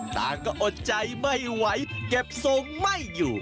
ต่างก็อดใจไม่ไหวเก็บทรงไม่อยู่